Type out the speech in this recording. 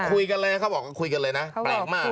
คุยกันเลยเขาบอกว่าคุยกันเลยนะ